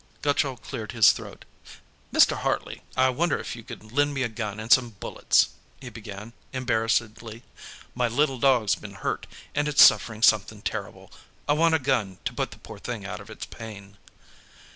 Gutchall cleared his throat. "Mr. Hartley, I wonder if you could lend me a gun and some bullets," he began, embarrassedly. "My little dog's been hurt, and it's suffering something terrible. I want a gun, to put the poor thing out of its pain."